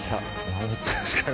何言ってんですかね・・